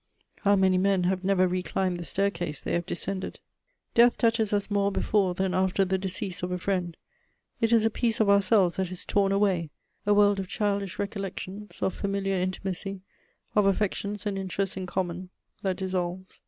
How many men have never reclimbed the staircase they have descended! Death touches us more before than after the decease of a friend: it is a piece of ourselves that is torn away, a world of childish recollections, of familiar intimacy, of affections and interests in common, that dissolves.